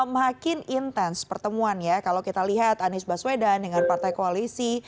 makin intens pertemuan ya kalau kita lihat anies baswedan dengan partai koalisi